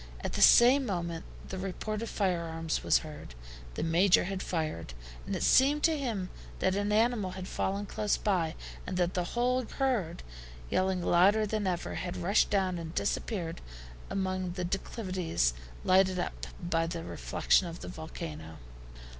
At the same moment the report of firearms was heard. The Major had fired, and it seemed to him that an animal had fallen close by, and that the whole herd, yelling louder than ever, had rushed down and disappeared among the declivities lighted up by the reflection of the volcano.